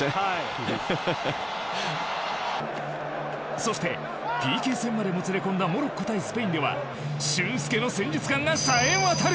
そしてＰＫ戦までもつれ込んだモロッコ対スペインでは俊輔の戦術眼が冴え渡る。